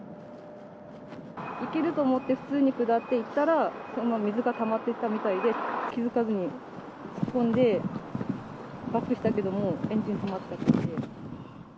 行けると思って、普通に下っていったら、水がたまってたみたいで、気付かずに突っ込んで、バックしたけどもエンジン止まっちゃって。